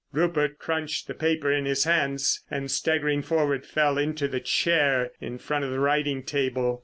Rupert crunched the paper in his hands, and staggering forward fell into the chair in front of the writing table.